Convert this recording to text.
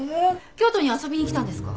京都に遊びに来たんですか？